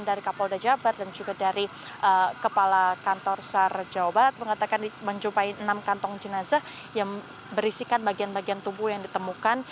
dari kapol dajabar dan juga dari kepala kantor sarjawa mengatakan menjumpai enam kantong jenazah yang berisikan bagian bagian tubuh yang ditemukan